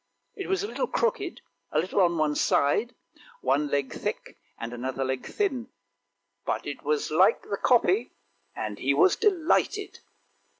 it was a little crooked, a little on one side, one leg thick and another leg thin, still it was like the copy, and he was delighted.